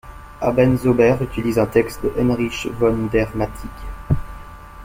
Abendzauber utilise un texte de Heinrich von der Mattig.